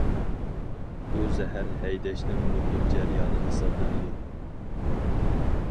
بۇ زەھەر ھەيدەشنىڭ مۇھىم جەريانى ھېسابلىنىدۇ.